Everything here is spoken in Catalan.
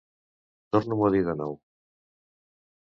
Torna-m'ho a dir de nou.